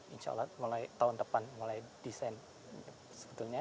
insya allah tahun depan